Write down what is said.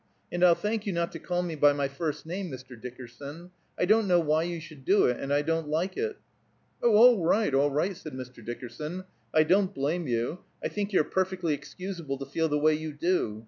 "And I'll thank you not to call me by my first name, Mr. Dickerson. I don't know why you should do it, and I don't like it." "Oh, all right, all right," said Mr. Dickerson. "I don't blame you. I think you're perfectly excusable to feel the way you do.